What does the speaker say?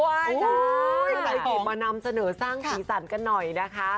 เวลาไอกิตมานำเสนอสร้างอีสันกันหน่อยนะคะ